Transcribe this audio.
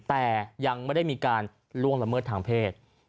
แต่ยังไม่ได้มีการล่วงละเมิดทางเพศ